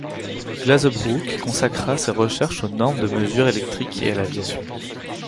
Glazebrook consacra ses recherches aux normes de mesure électrique et à l'aviation.